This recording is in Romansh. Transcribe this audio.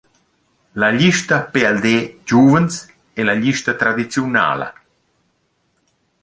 La glista pld –giuvens e la glista tradiziunala.